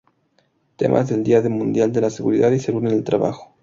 Temas del Día Mundial de la Seguridad y Salud en el Trabajo